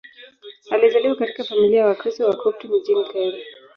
Alizaliwa katika familia ya Wakristo Wakopti mjini Kairo.